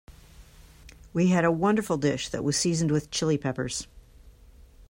We had a wonderful dish that was seasoned with Chili Peppers.